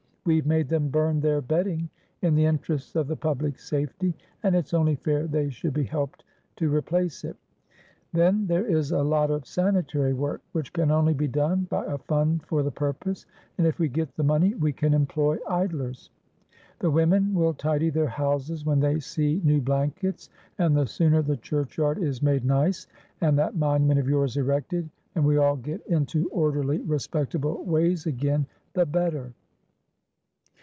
We've made them burn their bedding, in the interests of the public safety, and it's only fair they should be helped to replace it. Then there is a lot of sanitary work which can only be done by a fund for the purpose; and, if we get the money, we can employ idlers. The women will tidy their houses when they see new blankets, and the sooner the churchyard is made nice, and that monument of yours erected, and we all get into orderly, respectable ways again, the better."